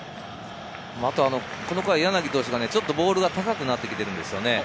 この回、柳投手がボールが高くなってきてるんですよね。